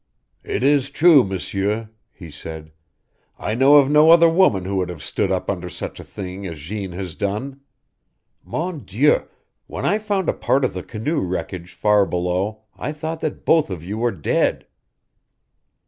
"It is true, M'sieur," he said. "I know of no other woman who would have stood up under such a thing as Jeanne has done. MON DIEU, when I found a part of the canoe wreckage far below I thought that both of you were dead!"